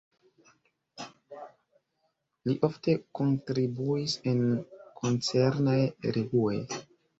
Li ofte kontribuis en koncernaj revuoj.